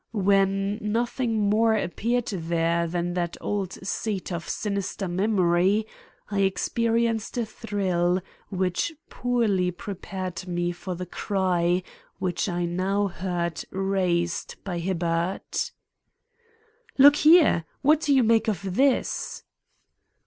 When nothing more appeared there than that old seat of sinister memory, I experienced a thrill which poorly prepared me for the cry which I now heard raised by Hibbard. "Look here! What do you make of this?"